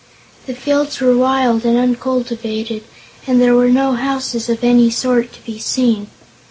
The fields were wild and uncultivated and there were no houses of any sort to be seen.